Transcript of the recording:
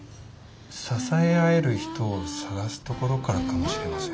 支え合える人を探すところからかもしれません。